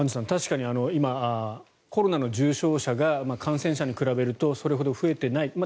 確かにコロナの重症者が感染者に比べるとそれほど増えていない。